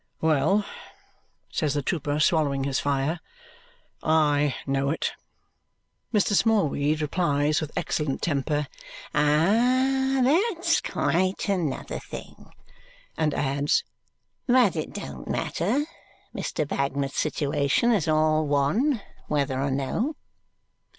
"Well!" says the trooper, swallowing his fire. "I know it." Mr. Smallweed replies with excellent temper, "Ah! That's quite another thing!" And adds, "But it don't matter. Mr. Bagnet's situation is all one, whether or no."